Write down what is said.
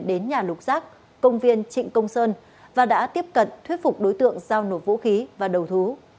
đến nhà lục giác công viên trịnh công sơn và đã tiếp cận thuyết phục đối tượng giao nổ vũ khí và đầu thú